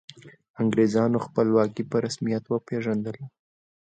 انګریزانو خپلواکي په رسمیت وپيژندله.